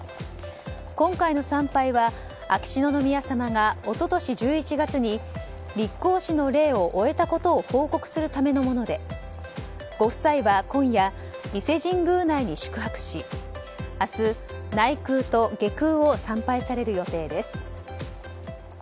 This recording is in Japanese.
今回の参拝は秋篠宮さまが一昨年１１月に立皇嗣の礼を終えたことを報告するためのものでご夫妻は今夜伊勢神宮内に宿泊し明日、内宮と外宮を参拝される予定です。